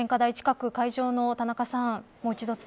献花台近く、会場の田中さん